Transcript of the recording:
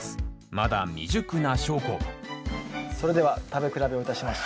まだ未熟な証拠それでは食べ比べをいたしましょう。